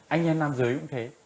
anh em nam giới cũng thế